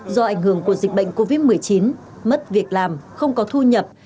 do ảnh hưởng của dịch bệnh covid một mươi chín mất việc làm không có thu nhập